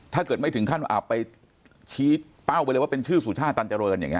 ถ้าเกิดไม่ถึงขั้นอาบไปชี้เป้าไปเลยว่าเป็นชื่อสุชาติตันเจริญอย่างนี้